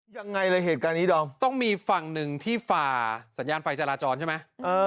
ยังไงเลยเหตุการณ์นี้ดอมต้องมีฝั่งหนึ่งที่ฝ่าสัญญาณไฟจราจรใช่ไหม